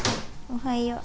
おはよう。